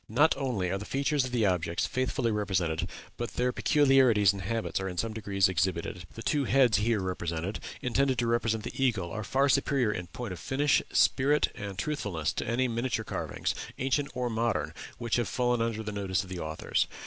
Not only are the features of the objects faithfully represented, but their peculiarities and habits are in some degree exhibited.... The two heads here presented, intended to represent the eagle, are far superior in point of finish, spirit, and truthfulness, to any miniature carvings, ancient or modern, which have fallen under the notice of the authors.